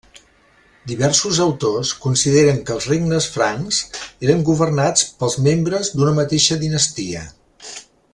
Diversos autors consideren que els regnes francs eren governats pels membres d'una mateixa dinastia.